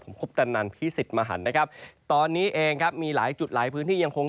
ผมคุปตันนันพี่สิทธิ์มหันนะครับตอนนี้เองครับมีหลายจุดหลายพื้นที่ยังคง